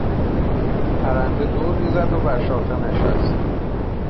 پرنده دوری زد و بر شاخه نشست.